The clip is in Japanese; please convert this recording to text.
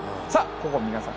ここ皆さん